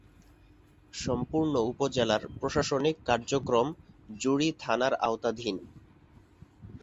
সম্পূর্ণ উপজেলার প্রশাসনিক কার্যক্রম জুড়ী থানার আওতাধীন।